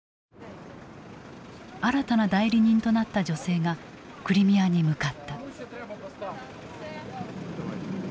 新たな代理人となった女性がクリミアに向かった。